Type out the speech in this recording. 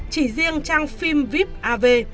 chỉ riêng trang phim vip av